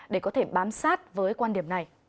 để có thể bám sát với quan điểm này